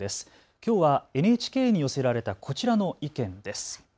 きょうはＮＨＫに寄せられたこちらの意見です。